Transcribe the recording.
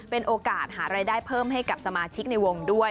เป็นโอกาสหารายได้เพิ่มให้กับสมาชิกในวงด้วย